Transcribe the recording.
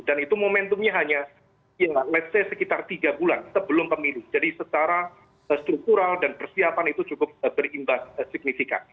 dan itu momentumnya hanya ya let's say sekitar tiga bulan sebelum pemilu jadi secara struktural dan persiapan itu cukup berimbas signifikan